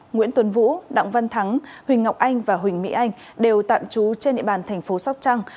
nguyễn tuấn vũ đọng văn thắng huỳnh ngọc anh và huỳnh mỹ anh đều tạm trú trên địa bàn tp sóc trăng